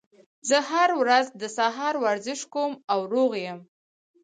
زه هره ورځ د سهار ورزش کوم او روغ یم